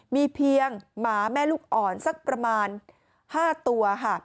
มีเพียงหมาแม่ลูกอ่อนสักประมาณ๕ตัวค่ะ